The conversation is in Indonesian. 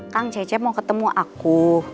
kang cece mau ketemu aku